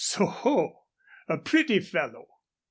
"Soho! a pretty fellow."